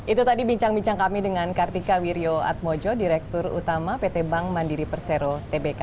itu tadi bincang bincang kami dengan kartika wirjo atmojo direktur utama pt bank mandiri persero tbk